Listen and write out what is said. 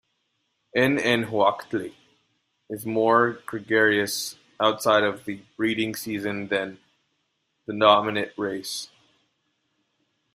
"N. n. hoactli" is more gregarious outside the breeding season than the nominate race.